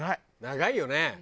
長いよね。